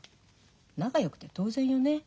仲よくて当然よね。